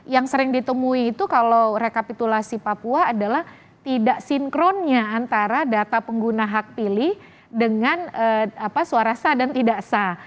yang sering ditemui itu kalau rekapitulasi papua adalah tidak sinkronnya antara data pengguna hak pilih dengan suara sah dan tidak sah